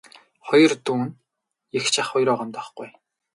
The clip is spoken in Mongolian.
Хоёр дүү нь эгч ах хоёроо гомдоохгүй ээ.